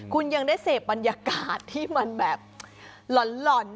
คุณยังได้เสพบรรยากาศที่มันแบบหล่อน